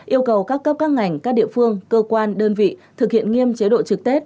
yêu cầu các cấp các ngành các địa phương cơ quan đơn vị thực hiện nghiêm chế độ trực tết